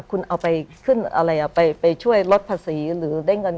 คุณซูซี่คุณซูซี่คุณซูซี่คุณซูซี่